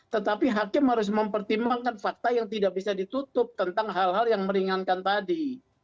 tetapi hakim harus mempertimbangkan fakta yang tidak bisa ditutup tentang hal hal yang meringankan tadi